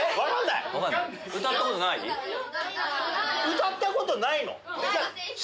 歌ったことないの？